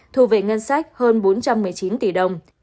thu về ngân sách hơn bốn trăm một mươi chín tỷ đồng